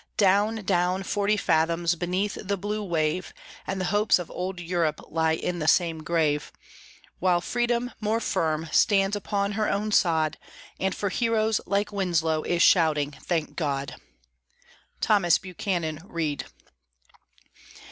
Down, down, forty fathoms beneath the blue wave, And the hopes of old Europe lie in the same grave; While Freedom, more firm, stands upon her own sod, And for heroes like Winslow is shouting, "Thank God!" THOMAS BUCHANAN READ.